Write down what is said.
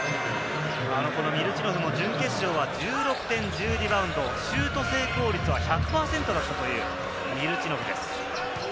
ミルチノフも準決勝は１６点、１０リバウンド、シュート成功率は１００％だったというミルチノフです。